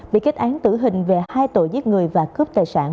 bị kết án tử hình về hai tội giết người và cướp tài sản